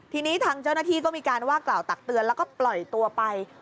ทีนี้ทางเจ้าหน้าที่ก็มีการว่ากล่าวตักเตือนแล้วก็ปล่อยตัวไป